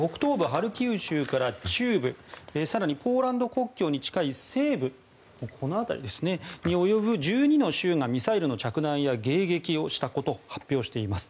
ハルキウ州から中部更にポーランド国境に近い西部に及ぶ１２の州がミサイルの着弾や迎撃をしたことを発表しています。